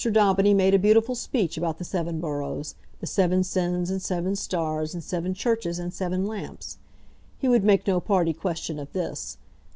Daubeny made a beautiful speech about the seven boroughs; the seven sins, and seven stars, and seven churches, and seven lamps. He would make no party question of this.